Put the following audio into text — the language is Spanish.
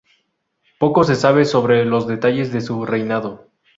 Poco se sabe sobre los detalles de su reinado.